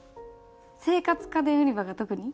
生活家電売り場が特に。